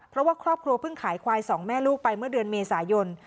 เพราะว่าครอบครัวเพิ่งขายควายสองแม่ลูกไปเมื่อเดือนเมษายน